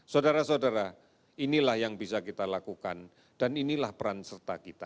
saudara saudara inilah yang bisa kita lakukan dan inilah peran serta kita